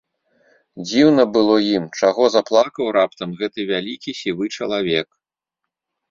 Дзіўна было ім, чаго заплакаў раптам гэты вялікі сівы чалавек.